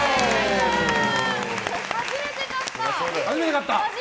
初めて勝った！